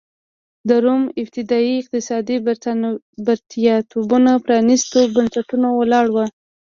د روم ابتدايي اقتصادي بریالیتوبونه پرانېستو بنسټونو ولاړ و.